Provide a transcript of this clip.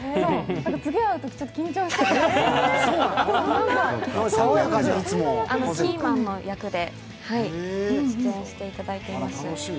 次、会うときちょっと緊張しちゃうキーマンの役で出演していただいています。